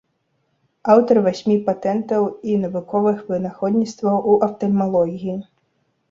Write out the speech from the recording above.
Аўтар васьмі патэнтаў і навуковых вынаходніцтваў у афтальмалогіі.